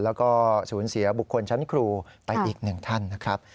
แล้วก็สูญเสียบุคคลชั้นครูไปอีกหนึ่งท่านนะครับ